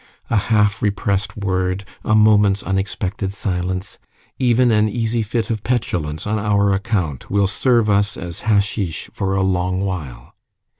A half repressed word, a moment's unexpected silence, even an easy fit of petulance on our account, will serve us as hashish for a long while.